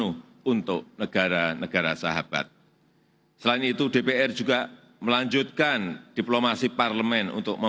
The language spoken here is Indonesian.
dunia dan negara negara yang telah menjaga kekuasaan dan kekuasaan negara negara